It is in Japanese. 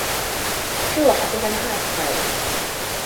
今日は流石に早く帰る。